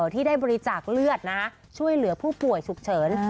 ที่ได้บริจาคเลือดช่วยเหลือผู้ป่วยฉุกเฉิน